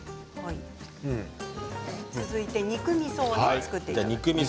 続いて肉みそを作っていきます。